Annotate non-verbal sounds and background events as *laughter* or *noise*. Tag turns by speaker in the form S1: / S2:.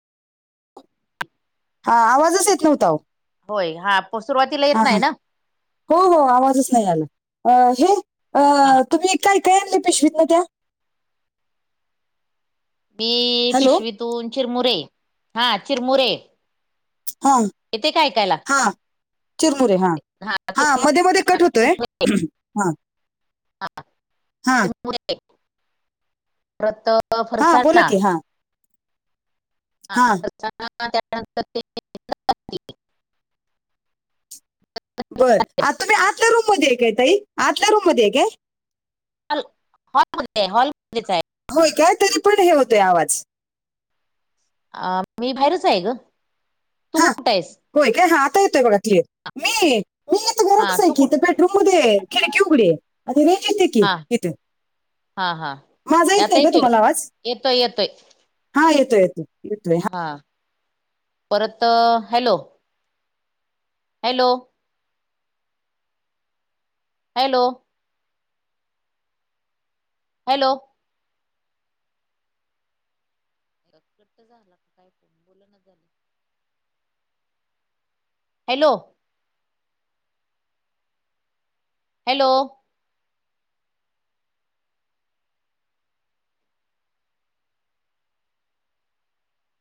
S1: हा आवाजच येत नव्हता ओ.
S2: होय हा प सुरुवातीला येत नाही ना.
S1: हो, हो, आवाजच नाही आला, हे तुम्ही काय, काय आणल पिशवीतन त्या?
S2: मी
S1: हॅलो
S2: पिशवीतून चिरमुरे हा चिरमुरे.
S1: हां!
S2: येतय का ऐकायल?
S1: हा चिरमुरे, हा हा मध्ये, मध्ये कट होतोय हां.
S2: हा चिरमुरं परत
S1: हा बोला
S2: फरसाना.
S1: की हा हा
S2: *unintelligible*
S1: बरं आ तुम्ही आतल्या रूम मध्येय, काय तई आतल्या रूम मध्ये काय?
S2: हॉल, हॉलमध्ये, हॉलमध्येच आहे. हा
S1: होय काय तरी पण हे होतोय आवाज.
S2: अ मी बाहेरच आहे ग, तू
S1: हा
S2: कुठं आहेस?
S1: होय काय, हा आता येतोय बघा क्लीअर मी, मी इथं
S2: हा
S1: घरातच आहे
S2: तू
S1: की
S2: कुठ
S1: इथं बेड रुम मदे आहे खिडकि उघडी आहे आ ती रेंज येती
S2: हां, हा, हां
S1: माझा येत
S2: आता
S1: नाही का तुम्हाला आवाज
S2: येतोय का येतोय.
S1: हा येतोय, येतो येतोय हा!
S2: हां परतअ हॅलो. हॅलो! हॅलो! हॅलो! अ कट्ट झाला काय फोन, बोल ना झाली. हॅलो! हॅलो!